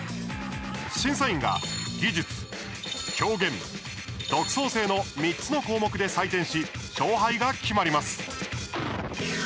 審査員が技術、表現、独創性の３つの項目で採点し勝敗が決まります。